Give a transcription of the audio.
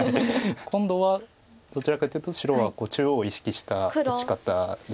今度はどちらかというと白は中央を意識した打ち方です。